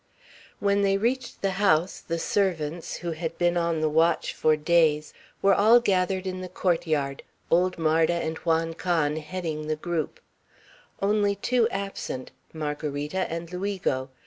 When they reached the house, the servants, who had been on the watch for days, were all gathered in the court yard, old Marda and Juan Can heading the group; only two absent, Margarita and Luigo.